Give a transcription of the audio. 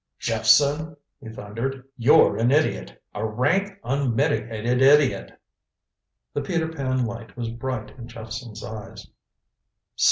"Jephson," he thundered, "you're an idiot! A rank unmitigated idiot!" The Peter Pan light was bright in Jephson's eyes.